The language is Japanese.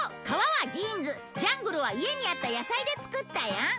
川はジーンズジャングルは家にあった野菜で作ったよ。